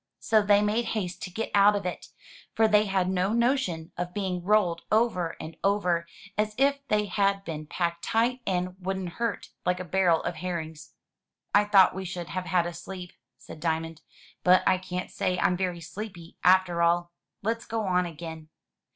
So they made haste to get out of it, for they had no notion of being rolled over and over as if they had been packed tight and wouldn't hurt, like a barrel of herrings. "I thought we should have had a sleep," said Diamond; "but I can't say I'm very sleepy after all. Let's go on again."